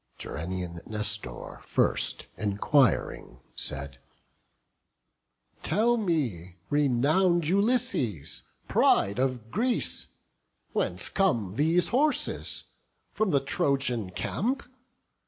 Gerenian Nestor first, enquiring, said: "Tell me, renown'd Ulysses, pride of Greece, Whence come these horses? from the Trojan camp?